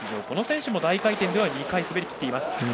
この選手も大回転では２回滑りきっている。